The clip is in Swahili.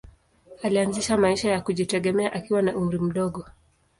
Alianza maisha ya kujitegemea akiwa na umri mdogo.